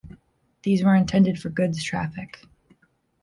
These were intended for goods traffic.